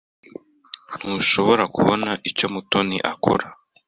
Ntushobora kubona icyo Mutoni akora?